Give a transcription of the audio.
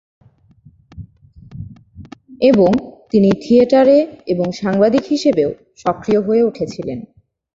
এবং তিনি থিয়েটারে এবং সাংবাদিক হিসাবেও সক্রিয় হয়ে উঠেছিলেন।